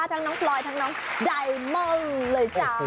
ทั้งน้องพลอยทั้งน้องใจเม่องเลยจ้า